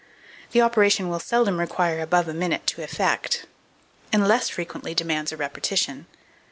The operation will seldom require above a minute to effect, and less frequently demands a repetition.